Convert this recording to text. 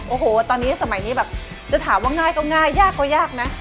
โอ้โหตอนนี้สมัยนี้แบบจะถามว่าง่ายก็ง่ายยากก็ยากนะ